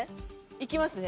いきますね。